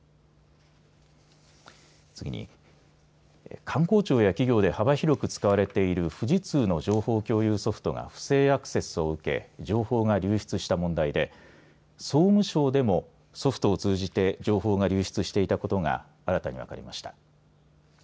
次に官公庁や企業で幅広く使われている富士通の情報共有ソフトが不正アクセスを受け情報が流出した問題で総務省でもソフトを通じて情報が流出していたことが新たに分かりました。